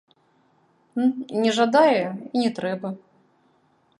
Не жадае, і не трэба.